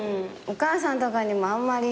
お母さんとかにもあんまり。